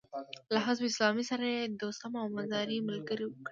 له حزب اسلامي سره يې دوستم او مزاري ملګري کړل.